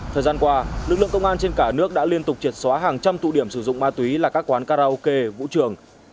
thời gian qua lực lượng công an trên cả nước đã liên tục triệt xóa hàng trăm tụ điểm sử dụng ma túy là các quán karaoke vũ trường